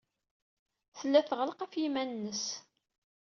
Tella tɣelleq ɣef yiman-nnes.